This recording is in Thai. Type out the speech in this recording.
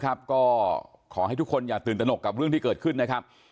ก็ขอให้ทุกคนอย่าตื่นตนกกับเรื่องที่เกิดขึ้นนะครับ